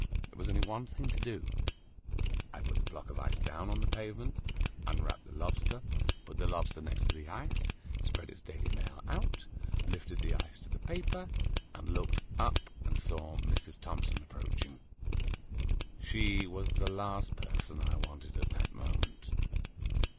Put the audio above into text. There was only one thing to do. I put the block of ice down on the pavement, unwrapped the lobster, put the lobster next to the ice, spread its "Daily Mail" out, lifted the ice on to the paper, and looked up and saw Mrs. Thompson approaching. She was the last person I wanted at that moment.